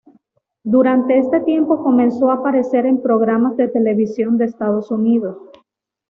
Durante este tiempo comenzó a aparecer en programas de televisión de Estados Unidos.